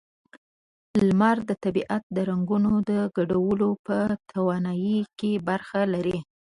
لمر د طبیعت د رنگونو د ګډولو په توانایۍ کې برخه لري.